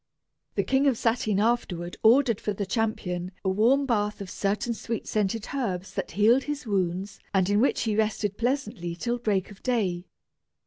The King of Satyn afterward ordered for the champion a warm bath of certain sweet scented herbs that healed his wounds and in which he rested pleasantly till break of day.